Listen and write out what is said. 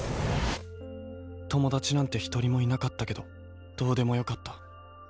ともだちなんてひとりもいなかったけどどうでもよかった。